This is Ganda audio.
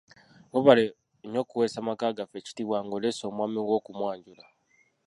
Weebale nnyo kuweesa maka gaffe kitiibwa ng'oleese omwami wo okumwanjula.